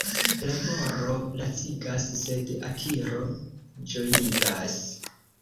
Laboro lacigas, sed akiro ĝojigas.